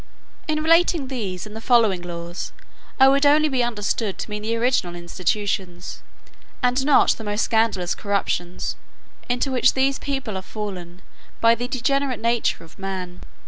In relating these and the following laws, I would only be understood to mean the original institutions, and not the most scandalous corruptions, into which these people are fallen by the degenerate nature of man.